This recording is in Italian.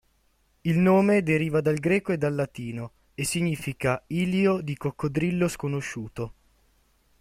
Il nome deriva dal greco e dal latino, e significa "ilio di coccodrillo sconosciuto".